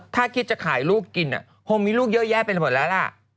ถ้าคิดจะขายลูกกินคงมีลูกเยอะแยะไปหมดแล้วล่ะ